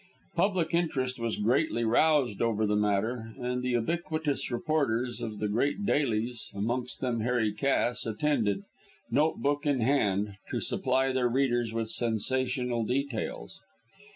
Public interest was greatly roused over the matter, and the ubiquitous reporters of the great "dailies" amongst them Harry Cass attended, note book in hand, to supply their readers with sensational details.